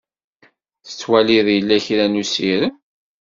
Tettwaliḍ yella kra n usirem?